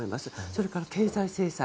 それから経済制裁。